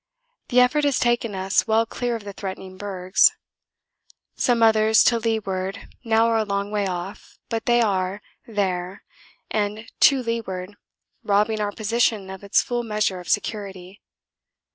The effort has taken us well clear of the threatening bergs. Some others to leeward now are a long way off, but they are there and to leeward, robbing our position of its full measure of security.